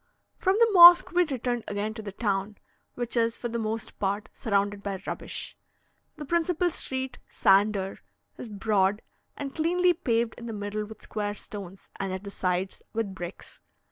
From the mosque we returned again to the town, which is, for the most part, surrounded by rubbish. The principal street, "Sander," is broad and cleanly paved in the middle with square stones, and at the sides with bricks.